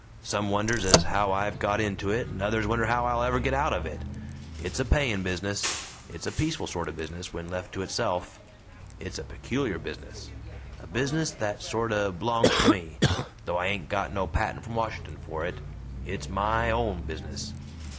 Some wonders ez how I've got into it, and others wonder how I'll ever get out of it. It's a payin' business it's a peaceful sort o' business when left to itself. It's a peculiar business a business that sort o' b'longs to me, though I ain't got no patent from Washington for it. It's MY OWN business."